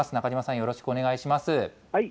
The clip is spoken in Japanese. よろしくお願いします。